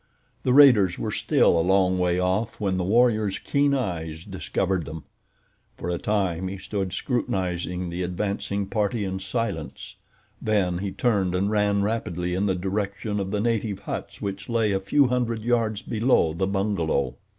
The raiders were still a long way off when the warrior's keen eyes discovered them. For a time he stood scrutinizing the advancing party in silence, then he turned and ran rapidly in the direction of the native huts which lay a few hundred yards below the bungalow.